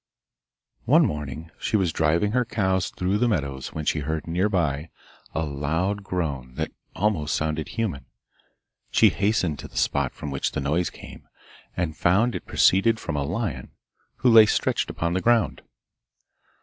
One morning she was driving her cows through the meadows when she heard near by a loud groan that almost sounded human. She hastened to the spot from which the noise came, and found it proceeded from a lion who lay stretched upon the ground.